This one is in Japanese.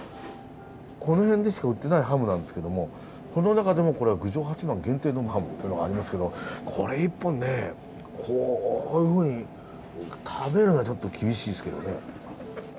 この辺でしか売ってないハムなんですけどもこの中でもこれは郡上八幡限定のハムというのがありますけどこれ一本ねこういうふうに食べるのはちょっと厳しいですけどね。